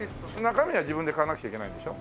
中身は自分で買わなくちゃいけないんでしょ？